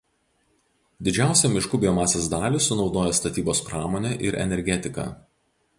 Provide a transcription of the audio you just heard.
Didžiausią miškų biomasės dalį sunaudoja statybos pramonė ir energetika.